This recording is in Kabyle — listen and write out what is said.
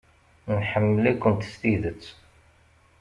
Nḥemmel-ikent s tidet.